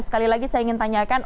sekali lagi saya ingin tanyakan